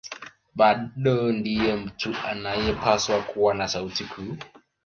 Bado ndiye mtu anayepaswa kuwa na sauti kuu